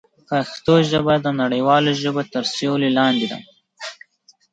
پښتو ژبه د نړیوالو ژبو تر سیوري لاندې ده.